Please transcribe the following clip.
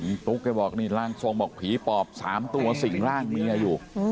คุณตุ๊กแกบอกนี่ร่างทรงบอกผีปอบ๓ตัวสิ่งร่างเมียอยู่